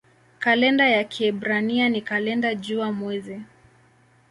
Kalenda ya Kiebrania ni kalenda jua-mwezi.